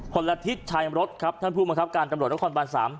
ละทิศชายรถครับท่านผู้บังคับการตำรวจนครบาน๓